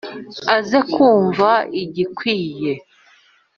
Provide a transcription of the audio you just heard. Aze kumva igikwiye